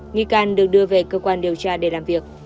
nghi can được đưa về cơ quan điều tra để làm việc